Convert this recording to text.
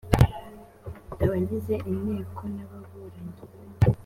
abagize inteko n’ababuranyi